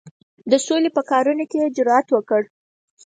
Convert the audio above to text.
د سولي په کارونو کې یې جرأت وکړ.